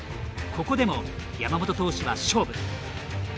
ここでも山本投手は勝負。